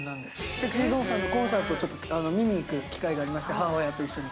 ＳｅｘｙＺｏｎｅさんのコンサートをちょっと見に行く機会がありまして、母親と一緒に。